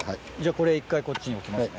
これ１回こっちに置きますね。